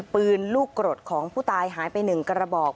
ปืนลูกกรดของผู้ตายหายไป๑กระบอก